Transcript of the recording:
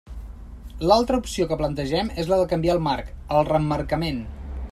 L'altra opció que plantegem és la de canviar el marc: el reemmarcament.